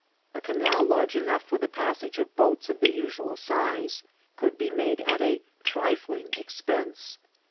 A canal large enough for the passage of boats of the. usual size could be made at a trifling expense.